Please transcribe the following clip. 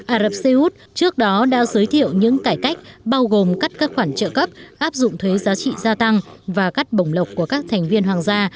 ả rập xê út trước đó đã giới thiệu những cải cách bao gồm cắt các khoản trợ cấp áp dụng thuế giá trị gia tăng và cắt bổng lộc của các thành viên hoàng gia